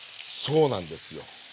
そうなんですよ。